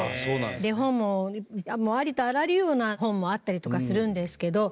で本もありとあらゆるような本もあったりとかするんですけど。